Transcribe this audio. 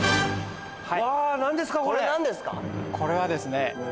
これはですね。